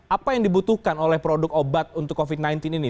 apa yang dibutuhkan oleh produk obat untuk covid sembilan belas ini